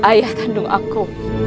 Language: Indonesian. ayah kandung aku